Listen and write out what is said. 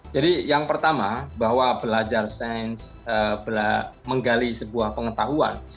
jadi yang pertama bahwa belajar sains menggali sebuah pengetahuan